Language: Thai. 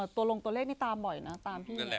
ตัวลงตัวเลขนี้ตามบ่อยนะ